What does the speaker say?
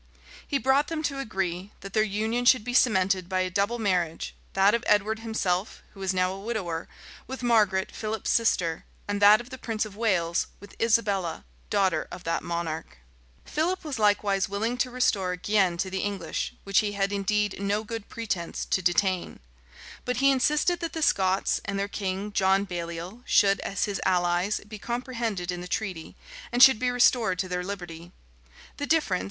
[*] He brought them to agree, that their union should be cemented by a double marriage; that of Edward himself, who was now a widower, with Margaret, Philip's sister, and that of the prince of Wales with Isabella, daughter of that monarch.[] * Rymer, vol. ii. p. 817. Heining. vol. i. p. 149. Trivet, p. 310 Rymer, vol. ii. p. 823 Philip was likewise willing to restore Guienne to the English, which he had indeed no good pretence to detain; but he insisted that the Scots, and their king, John Baliol, should, as his allies, be comprehended in the treaty, and should be restored to their liberty. The difference.